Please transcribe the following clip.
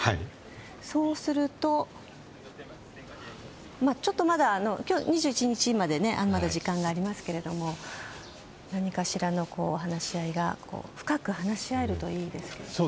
そうすると２１日までまだ時間がありますけれども何かしらの話し合いが深く話し合えるといいですけどね。